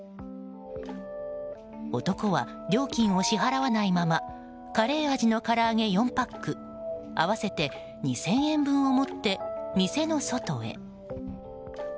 男は、料金を支払わないままカレー味のからあげ４パック合わせて２０００円分を持って店の外へ。